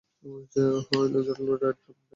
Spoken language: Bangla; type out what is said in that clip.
ওই লোজার, ডেভ না?